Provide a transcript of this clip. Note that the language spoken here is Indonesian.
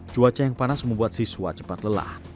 cuaca yang panas membuat siswa cepat lelah